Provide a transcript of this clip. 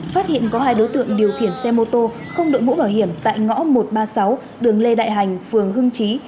phát hiện có hai đối tượng điều khiển xe mô tô không đội mũ bảo hiểm tại ngõ một trăm ba mươi sáu đường lê đại hành phường hưng trí